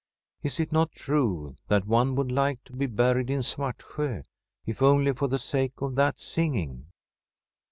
Is it not true that one would like to be buried in Svartsjo, if only for the sake of that singing?